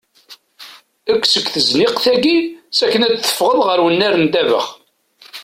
Ekk seg tezniqt-agi ssakin af teffeɣḍ ɣer unnar n ddabex.